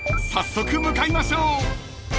［早速向かいましょう］